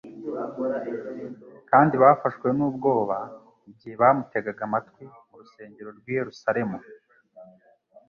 kandi bafashwe n'ubwoba igihe bamutegaga amatwi mu rusengero rw'i Yerusalemu.